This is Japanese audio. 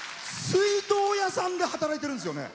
水道屋さんで働いてるんですよね。